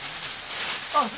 あっ！